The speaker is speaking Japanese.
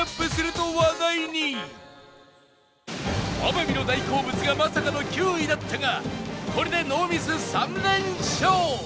天海の大好物がまさかの９位だったがこれでノーミス３連勝！